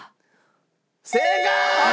正解！